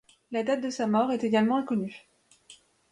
La date de sa mort est également inconnue.